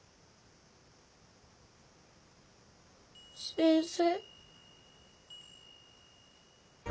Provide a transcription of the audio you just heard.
先生。